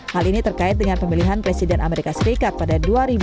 hal ini terkait dengan pemilihan presiden amerika serikat pada dua ribu dua puluh